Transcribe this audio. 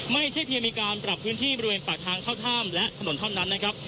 ไม่ใช่เพียงมีการปรับพื้นที่บริเวณปากทางเข้าถ้ำและถนนเท่านั้นนะครับ